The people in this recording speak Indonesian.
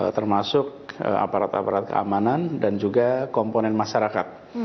termasuk aparat aparat keamanan dan juga komponen masyarakat